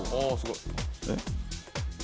えっ？